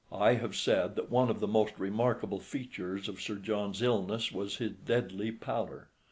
I have said that one of the most remarkable features of Sir John's illness was his deadly pallor.